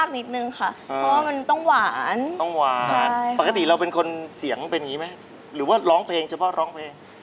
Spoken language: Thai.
มีคนเสียงอย่างนี้มั้ยหรือว่าร้องเพลงจุดพอร้องเพลง